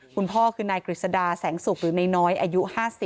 คุณพ่อคือนายกฤษดาแสงสุกหรือนายน้อยอายุ๕๐